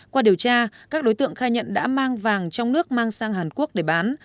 qua điều tra các đối tượng khai nhận đã mang vàng trong nước mang sang hàn quốc để bán